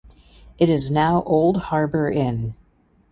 It is now Olde Harbour Inn.